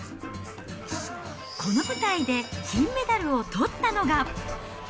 この舞台で金メダルをとったのが。